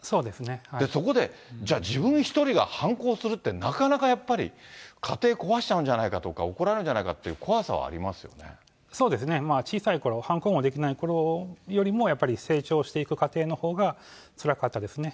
そこでじゃあ、自分一人が反抗するって、なかなかやっぱり、家庭、壊しちゃうんじゃないかとか、怒られるんじゃないかとか、怖さはそうですね、小さいころ、反抗もできないころよりも、成長していく過程のほうがつらかったですね。